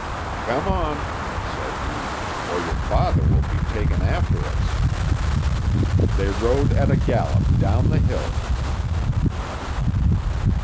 "Come on," said he, "or your father will be takin' after us." They rode at a gallop down the hill.